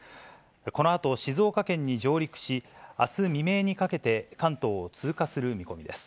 このあと静岡県に上陸し、あす未明にかけて、関東を通過する見込みです。